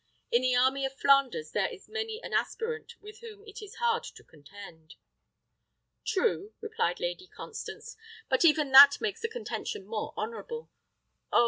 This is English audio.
In the army of Flanders there is many an aspirant with whom it is hard to contend." "True," replied Lady Constance; "but even that makes the contention more honourable. Oh!